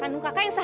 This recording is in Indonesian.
tapi kok bisa sih